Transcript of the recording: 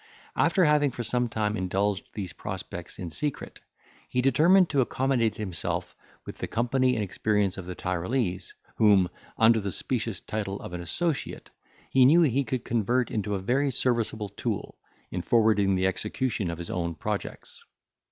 After having for some time indulged these prospects in secret, he determined to accommodate himself with the company and experience of the Tyrolese, whom, under the specious title of an associate, he knew he could convert into a very serviceable tool, in forwarding the execution of his own projects.